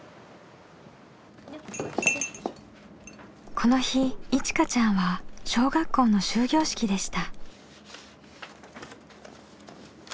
この日いちかちゃんは小学校の終業式でした。